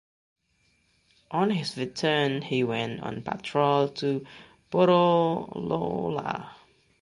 On his return he went on patrol to Borroloola.